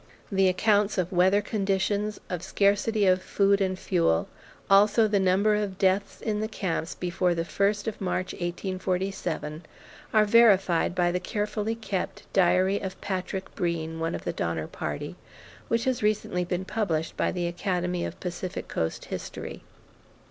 The accounts of weather conditions, of scarcity of food and fuel, also the number of deaths in the camps before the first of March, 1847, are verified by the carefully kept "Diary of Patrick Breen, One of the Donner Party," which has recently been published by the Academy of Pacific Coast History.